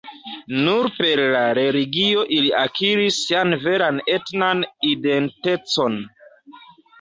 Nur per la religio ili akiris sian veran etnan identecon.